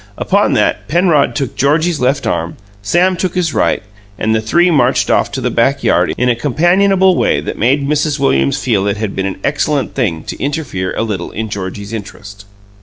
Upon that, Penrod took Georgie's left arm, Sam took his right, and the three marched off to the backyard in a companionable way that made Mrs. Williams feel it had been an excellent thing to interfere a little in Georgie's interest.